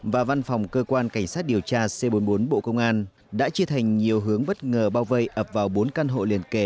và văn phòng cơ quan cảnh sát điều tra c bốn mươi bốn bộ công an đã chia thành nhiều hướng bất ngờ bao vây ập vào bốn căn hộ liền kề